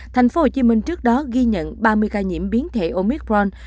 tp hcm trước đó ghi nhận ba mươi ca nhiễm biến thể omicron